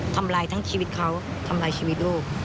ทำร้ายทั้งชีวิตเขาทำร้ายชีวิตลูก